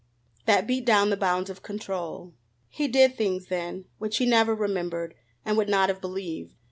_ That beat down the bounds of control. He did things then which he never remembered and would not have believed.